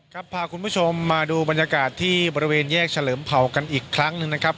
พาคุณผู้ชมมาดูบรรยากาศที่บริเวณแยกเฉลิมเผากันอีกครั้งหนึ่งนะครับ